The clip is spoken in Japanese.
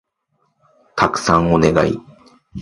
たくさんお願い